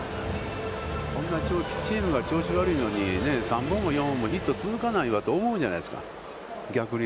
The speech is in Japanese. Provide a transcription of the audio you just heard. チームが調子悪いのに、３本も４本もヒットは続かないと思うじゃないですか。